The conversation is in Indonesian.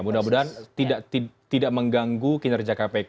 mudah mudahan tidak mengganggu kinerja kpk